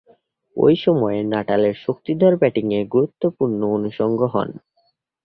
ঐ সময়ে নাটালের শক্তিধর ব্যাটিংয়ে গুরুত্বপূর্ণ অনুষঙ্গ হন।